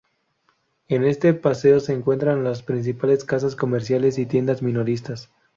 En este paseo se encuentran las principales casas comerciales y tiendas minoristas.